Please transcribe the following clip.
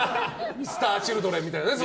ミスターチルドレンみたいな。